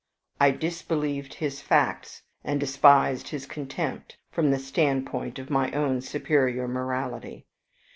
I disbelieved his facts, and despised his contempt from the standpoint of my own superior morality.